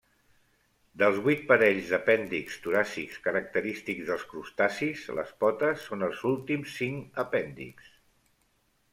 Dels vuit parells d'apèndixs toràcics característics dels crustacis les potes són els últims cinc apèndixs.